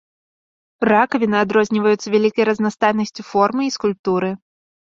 Ракавіны адрозніваюцца вялікай разнастайнасцю формы і скульптуры.